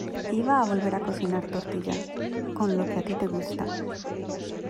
iba a volver a cocinar tortilla. con lo que a ti te gusta .